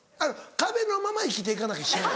壁のまま生きて行かなきゃしゃあない。